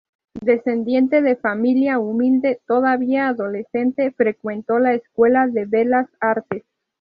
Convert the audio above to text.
Descendiente de familia humilde, todavía adolescente frecuentó la Escuela de Belas Artes.